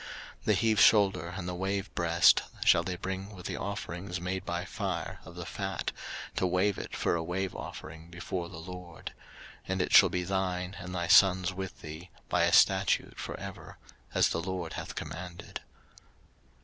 03:010:015 The heave shoulder and the wave breast shall they bring with the offerings made by fire of the fat, to wave it for a wave offering before the LORD; and it shall be thine, and thy sons' with thee, by a statute for ever; as the LORD hath commanded.